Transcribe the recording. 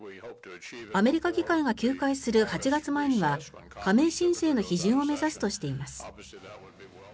アメリカ議会が休会する８月前には加盟申請の批准を目指すとしています。